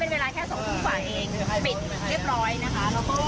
ปิดจริงนะคะพามาดูนะคะ